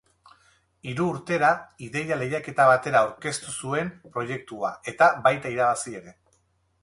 Hiru urtera, ideia lehiaketa batera aurkeztu zuen proiektua eta baita irabazi ere.